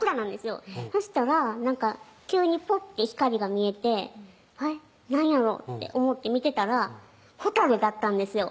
よそしたら急にポッて光が見えて何やろ？って思って見てたら蛍だったんですよ